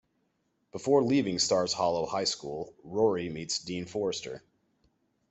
Before leaving Stars Hollow High School, Rory meets Dean Forester.